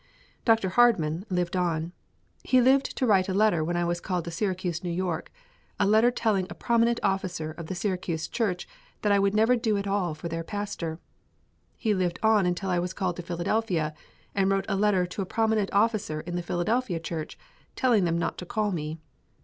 Dr. Hardman lived on. He lived to write a letter when I was called to Syracuse, N.Y., a letter telling a prominent officer of the Syracuse Church that I would never do at all for their pastor. He lived on until I was called to Philadelphia, and wrote a letter to a prominent officer in the Philadelphia Church telling them not to call me.